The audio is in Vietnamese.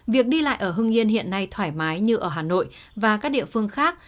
việc đi lại ở hưng yên hiện nay thoải mái như ở hà nội và các địa phương khác